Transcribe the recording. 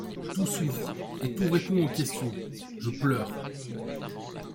Tout souffre ; et tout répond aux questions : je pleure !